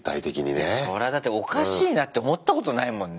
そらあだっておかしいなって思ったことないもんね